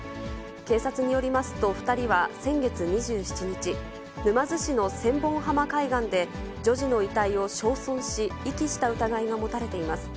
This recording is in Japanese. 警察によりますと、２人は先月２７日、沼津市の千本浜海岸で、女児の遺体を焼損し、遺棄した疑いが持たれています。